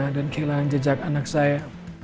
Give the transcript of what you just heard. dan kehilangan jejak anak saya